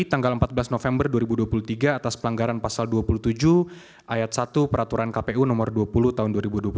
tanggal empat belas november dua ribu dua puluh tiga atas pelanggaran pasal dua puluh tujuh ayat satu peraturan kpu nomor dua puluh tahun dua ribu dua puluh